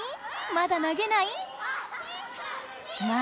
まだ投げない。